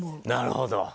なるほど。